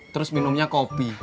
terus minumnya kopi